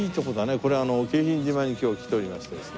これ京浜島に今日来ておりましてですね。